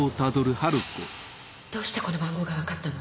どうしてこの番号がわかったの！？